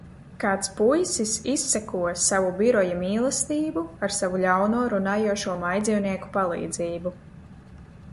Kāds puisis izseko savu biroja mīlestību ar savu ļauno runājošo mājdzīvnieku palīdzību.